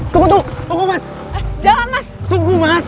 tunggu tunggu tunggu mas